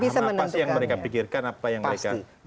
bisa paham apa yang mereka pikirkan apa yang mereka